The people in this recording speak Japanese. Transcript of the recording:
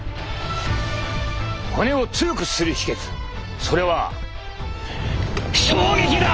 骨を強くする秘けつそれは衝撃だ！